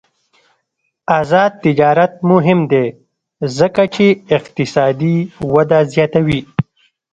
آزاد تجارت مهم دی ځکه چې اقتصادي وده زیاتوي.